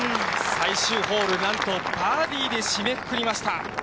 最終ホール、なんとバーディーで締めくくりました。